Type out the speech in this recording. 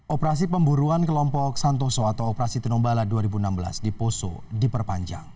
operasi pemburuan kelompok santoso atau operasi tinombala dua ribu enam belas di poso diperpanjang